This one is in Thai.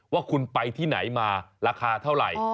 ว่าคุณไปที่ไหนมาราคาเท่าไหร่